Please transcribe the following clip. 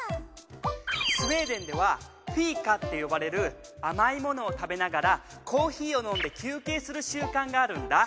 スウェーデンではフィーカって呼ばれるあまいものをたべながらコーヒーをのんできゅうけいするしゅうかんがあるんだ。